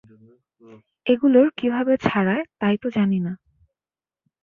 এগুলোর কীভাবে ছাড়ায়, তাই তো জানি না।